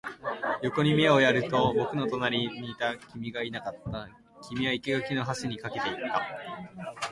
横に目をやると、僕の隣にいた君がいなかった。君は生垣の端に駆けていた。